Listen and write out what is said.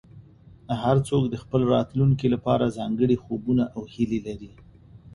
هر څوک د خپل راتلونکي لپاره ځانګړي خوبونه او هیلې لري.